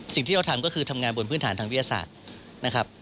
สิ่งที่เราทำก็คือทำงานบนพื้นฐานทางวิทยาศาสตร์นะครับ